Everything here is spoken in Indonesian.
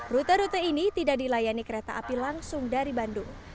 rute rute ini tidak dilayani kereta api langsung dari bandung